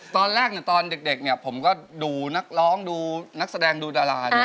ตอนแรกตอนเด็กผมก็ดูนักร้องดูนักแสดงดูดารา